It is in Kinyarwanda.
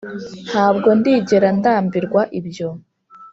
ntabwo ndigera ndambirwa ibyo.